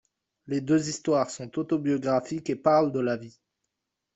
Les deux histoires sont autobiographiques et parlent de la vie.